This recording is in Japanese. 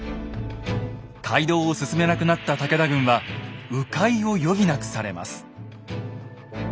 街道を進めなくなった武田軍はう回を余儀なくされます。